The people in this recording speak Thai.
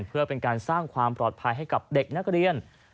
เพื่อเป็นการสร้างความปลอดภัยให้กับเด็กนักเรียน